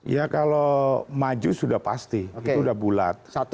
ya kalau maju sudah pasti itu sudah bulat